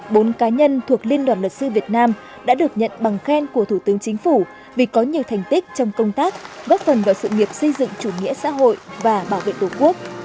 bốn cá nhân thuộc liên đoàn luật sư việt nam đã được nhận bằng khen của thủ tướng chính phủ vì có nhiều thành tích trong công tác góp phần vào sự nghiệp xây dựng chủ nghĩa xã hội và bảo vệ tổ quốc